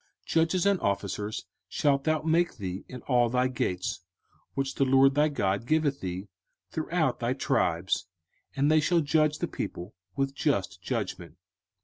05:016:018 Judges and officers shalt thou make thee in all thy gates, which the LORD thy God giveth thee, throughout thy tribes: and they shall judge the people with just judgment.